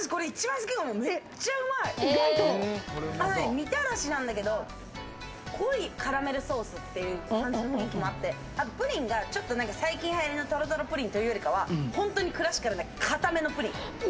みたらしなんだけど、濃いカラメルソースっていう感じもあって、プリンが最近流行りの、トロトロプリンというよりかはクラシカルな硬めのプリン。